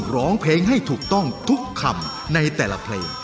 ร้องเพลงให้ถูกต้องทุกคำในแต่ละเพลง